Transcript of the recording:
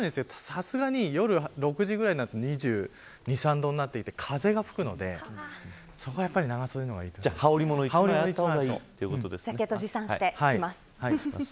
さすがに夜６時ぐらいになると２２、２３度になって風が吹くんでそこはやっぱりジャケットを持参してきます。